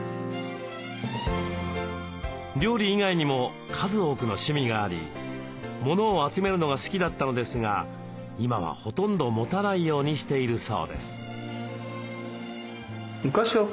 料理以外にも数多くの趣味がありモノを集めるのが好きだったのですが今はほとんど持たないようにしているそうです。